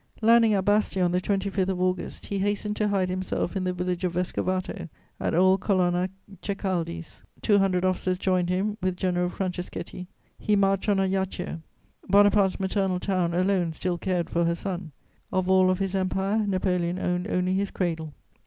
Landing at Bastia on the 25th of August, he hastened to hide himself in the village of Vescovato, at old Colonna Ceccaldi's. Two hundred officers joined him with General Franceschetti. He marched on Ajaccio: Bonaparte's maternal town alone still cared for her son; of all his Empire, Napoleon owned only his cradle.